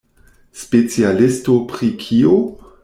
Specialisto pri kio?